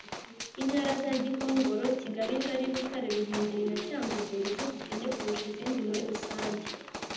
intara za gikongoro, kigali ngari, butare, ruhengeri na cyangugu ni zo zikennye kurusha izindi muri rusange.